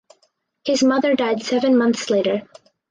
His mother died seven months later.